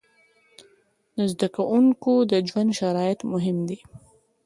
د زده کوونکو د ژوند شرایط مهم دي.